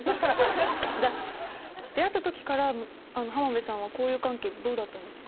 出会った時から浜辺さんは交友関係どうだったんですか？